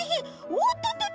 おっとっとっと。